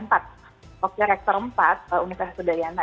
fokirektor empat universitas udayana